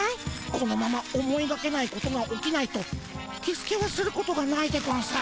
このまま思いがけないことが起きないとキスケはすることがないでゴンス。